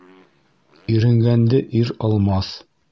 Иренгәнде ир алмаҫ.